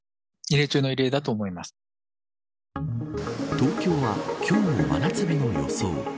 東京は今日も真夏日の予想。